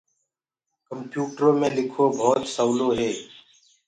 ڪمپيوُٽرو مي لکوو ڀوت سولو هي۔